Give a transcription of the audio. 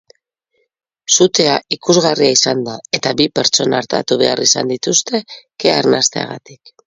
Sutea ikusgarria izan da eta bi pertsona artatu behar izan dituzte kea arnasteagatik.